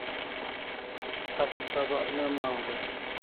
Asa sabak ne maw dai